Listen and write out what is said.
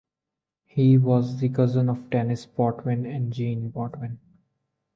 He was the cousin of Denis Potvin and Jean Potvin.